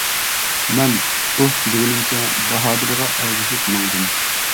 مەن ئۇھ، دېگىنىمچە باھادىرغا ئەگىشىپ ماڭدىم.